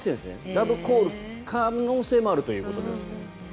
ラブコールの可能性もあるということですが。